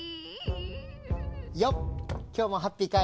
よっきょうもハッピーかい？